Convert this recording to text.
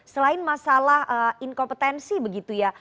selain masalah inkompetensi begitu ya